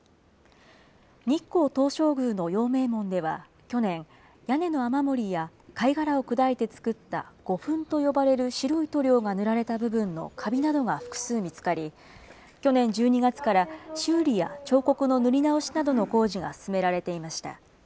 日光東照宮の陽明門では去年、屋根の雨漏りや、貝殻を砕いて作った、胡粉と呼ばれる白い塗料が塗られた部分のかびなどが複数見つかり、去年１２月から修理や彫刻の塗り直しの工事が進められていました。